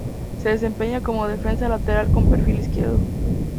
Se desempeña como defensa lateral con perfil izquierdo.